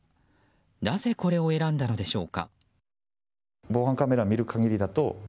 なぜ、これを選んだのでしょうか。